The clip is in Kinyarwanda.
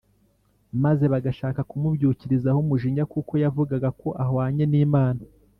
maze bagashaka kumubyukirizaho umujinya kuko yavugaga ko ahwanye n’Imana